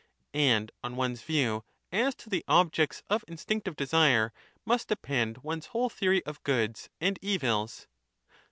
And on one's view as to the objects of instinctive desire must depend one's whole theory of Goods and Evils.